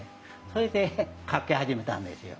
それで描き始めたんですよ。